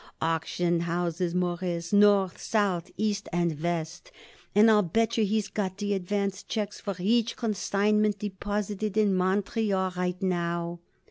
Auction houses, Mawruss, north, south, east and west, and I bet yer he got the advance checks for each consignment deposited in Montreal right now.